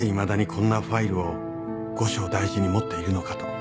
何故いまだにこんなファイルを後世大事に持っているのかと」